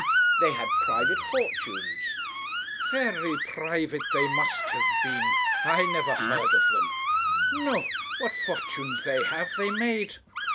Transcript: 'They had private fortunes.' 'Very private they must have been I never heard of them. No; what fortunes they have they made.